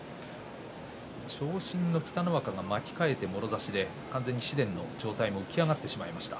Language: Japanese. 長身の北の若が巻き替えて、もろ差しで紫雷の上体も浮き上がってしまいました。